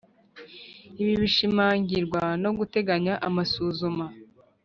Ibi bishimangirwa no guteganya amasuzuma